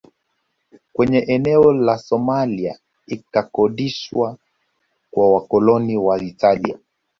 Kwenye eneo la Somalia ikakodishwa kwa wakoloni wa Italia